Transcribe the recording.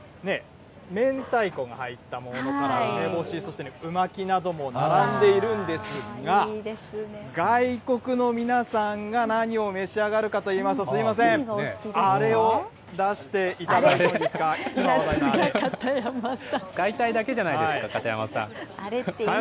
明太子が入ったものから揚げだし、うまきなども並んでいるんですが、外国の皆さんが何を召し上がるかといいますと、すみません、あれを出していただいてもいいですか。使いたいだけじゃないですか、あれって言いたい？